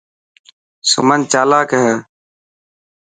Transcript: سمن چالاڪ هي.